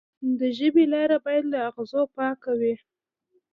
د ژبې لاره باید له اغزو پاکه وي.